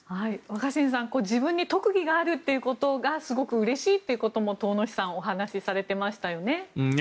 若新さん自分に特技があるということがすごくうれしいということも唐司さんはお話しされていましたね。